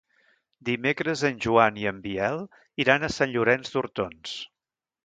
Dimecres en Joan i en Biel iran a Sant Llorenç d'Hortons.